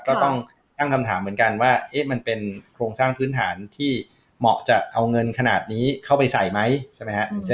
ก็ต้องตั้งคำถามเหมือนกันว่ามันเป็นโครงสร้างพื้นฐานที่เหมาะจะเอาเงินขนาดนี้เข้าไปใส่ไหมใช่ไหมฮะ